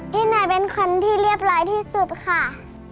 ที่ไหนเป็นคนที่เรียบร้อยที่สุดค่ะ